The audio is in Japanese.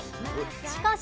しかし。